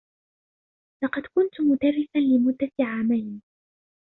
لقد كنتُ مدرساً لمدة عامين.